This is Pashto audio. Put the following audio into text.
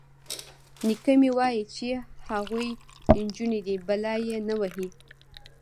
_نيکه مې وايي چې هغوی نجونې دي، بلا يې نه وهي.